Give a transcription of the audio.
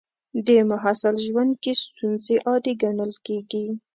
د محصل ژوند کې ستونزې عادي ګڼل کېږي.